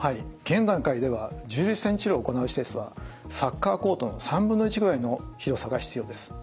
現段階では重粒子線治療を行う施設はサッカーコートの３分の１ぐらいの広さが必要です。